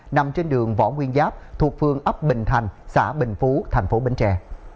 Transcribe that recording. nằm trên đường võ nguyên giáp thuộc phương ấp bình thành xã bình phú thành phố bến tre